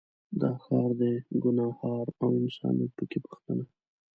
دا ښار دی ګنهار او انسانیت په کې پوښتنه